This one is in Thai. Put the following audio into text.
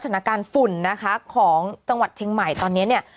สถานการณ์ฝุ่นนะคะของจังหวัดเชียงใหม่ตอนนี้เนี่ย